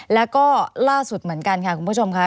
แล้วก็ล่าสุดเหมือนกันค่ะคุณผู้ชมค่ะ